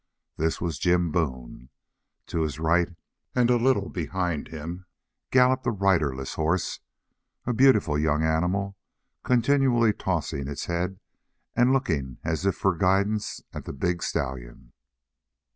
This was Jim Boone. To his right and a little behind him galloped a riderless horse, a beautiful young animal continually tossing its head and looking as if for guidance at the big stallion.